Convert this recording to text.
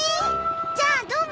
じゃあどうも。